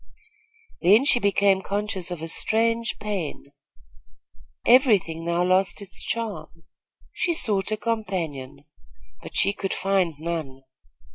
Then she became conscious of a strange pain. Every thing now lost its charm. She sought a companion; but she could find none.